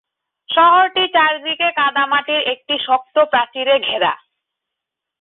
শহরটি চারদিকে কাদামাটির একটি শক্ত প্রাচীরে ঘেরা।